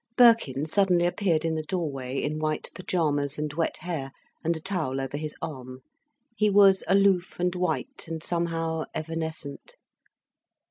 Birkin suddenly appeared in the doorway, in white pyjamas and wet hair, and a towel over his arm. He was aloof and white, and somehow evanescent.